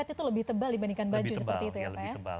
itu lebih tebal dibandingkan baju seperti itu ya pak ya